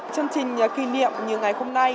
chương trình kỷ niệm như ngày hôm nay